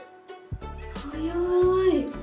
早い。